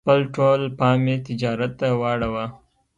خپل ټول پام یې تجارت ته واړاوه.